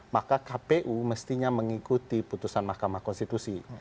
maka kpu mestinya mengikuti putusan mahkamah konstitusi